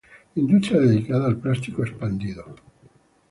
Industria dedicada al plástico expandido.